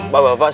pak pak pak